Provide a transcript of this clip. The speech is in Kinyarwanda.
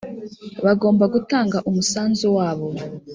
Bagomba gutanga umusanzu wabo